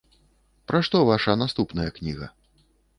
Пра што ваша наступная кніга?